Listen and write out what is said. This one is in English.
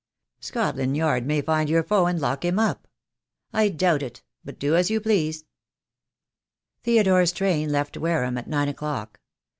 "Scotland Yard may find your foe and lock him up." "I doubt it. But do as you please." THE DAY WILL COME. I 83 Theodore's train left Wareham at nine o'clock.